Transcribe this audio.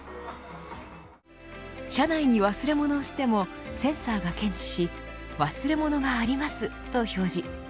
車内に忘れ物をしてもセンサーが検知し忘れ物がありますと表示。